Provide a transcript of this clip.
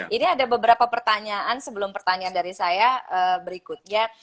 ini ada beberapa pertanyaan sebelum pertanyaan dari saya berikutnya